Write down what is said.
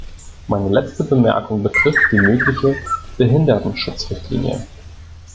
Meine letzte Bemerkung betrifft die mögliche Behindertenschutzrichtlinie.